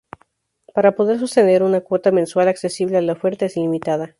Para poder sostener una cuota mensual accesible la oferta es limitada.